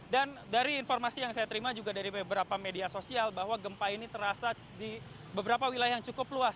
dan dari informasi yang saya terima juga dari beberapa media sosial bahwa gempa ini terasa di beberapa wilayah yang cukup luas